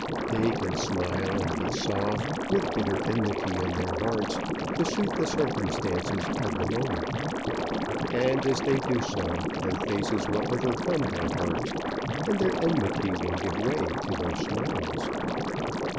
They can smile and be soft, with bitter enmity in their hearts, to suit the circumstances of the moment. And as they do so, their faces will overcome their hearts, and their enmity will give way to their smiles.